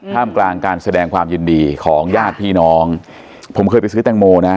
มกลางการแสดงความยินดีของญาติพี่น้องผมเคยไปซื้อแตงโมนะ